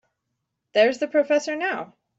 There's the professor now.